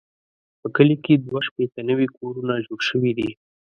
په کلي کې دوه شپېته نوي کورونه جوړ شوي دي.